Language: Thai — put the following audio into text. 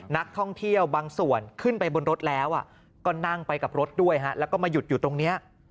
นักท่องเที่ยวบางส่วนขึ้นไปบนรถแล้วก็นั่งไปกับรถด้วยแล้วก็มาหยุดอยู่ตรงนี้